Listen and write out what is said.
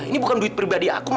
ini bukan duit pribadi aku